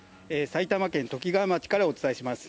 埼玉県ときがわ町からお伝えします。